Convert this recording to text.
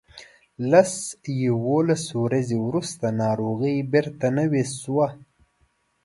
لس یوولس ورځې وروسته ناروغي بیرته نوې شوه.